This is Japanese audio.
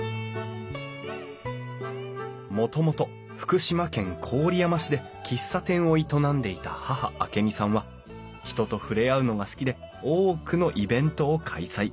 もともと福島県郡山市で喫茶店を営んでいた母明美さんは人と触れ合うのが好きで多くのイベントを開催！